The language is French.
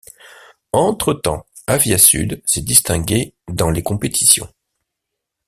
Entre-temps, Aviasud s'est distingué dans les compétitions.